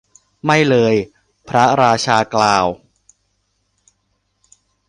ไม่เลย พระราชากล่าว